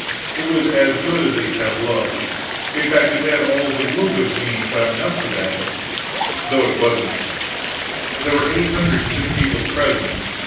It was as good as a tableau; in fact, it had all the look of being gotten up for that, though it wasn't. There were eight hundred sick people present.